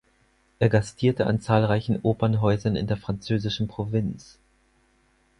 Er gastierte an zahlreichen Opernhäusern in der französischen Provinz.